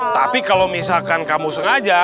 tapi kalau misalkan kamu sengaja